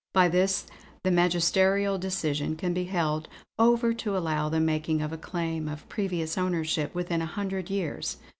By this, the magisterial decision can be held over to allow the making of a claim of previous ownership within a hundred years.